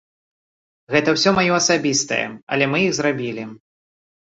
Гэта ўсё маё асабістае, але мы іх зрабілі.